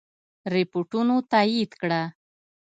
رپوټونو تایید کړه.